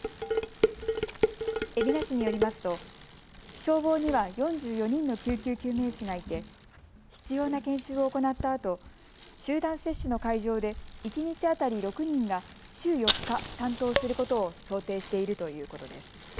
海老名市によりますと消防には４４人の救急救命士がいて必要な研修を行ったあと集団接種の会場で一日当たり６人が週４日、担当することを想定しているということです。